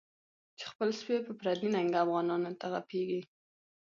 چی خپل سپی په پردی ننگه، افغانانوته غپیږی